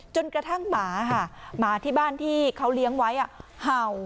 กระทั่งหมาค่ะหมาที่บ้านที่เขาเลี้ยงไว้เห่า